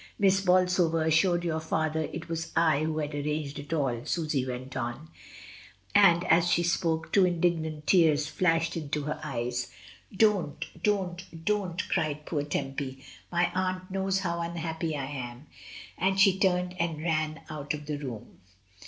Miss Bol sover assured your father it was I who had arranged it all," Susy went on; and as she spoke two in dignant tears flashed into her eyes. 12 MRS. DYMOND. "Don't! don't! don't!" cried poor Tempy. «My aunt knows how unhappy I am," and she turned and ran out of the room.